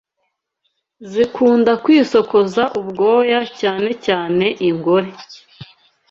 zikunda kwisokoza ubwoya cyanecyane ingore,